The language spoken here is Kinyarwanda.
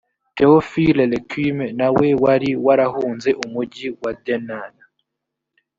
theophile lequime na we wari warahunze umugi wa denain